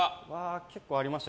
結構ありました。